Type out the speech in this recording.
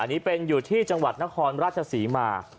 อันนี้เป็นอยู่ที่จังหวัดนครราชศรีมา